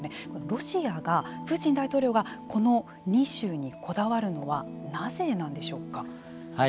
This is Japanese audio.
ロシアが、プーチン大統領はこの２州にこだわるのはなぜなんでしょうか。